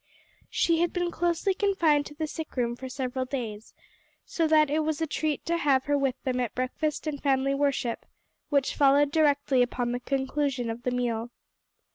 She had been closely confined to the sick room for several days, so that it was a treat to have her with them at breakfast and at family worship, which followed directly upon the conclusion of the meal.